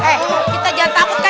eh kita jangan takut